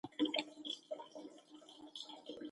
مذهبي اجاراداري ختمول وو.